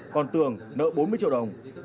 còn tường nợ bốn mươi triệu đồng